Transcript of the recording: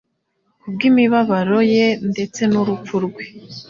ku bw'imibabaro ye ndetse n'urupfu rwe.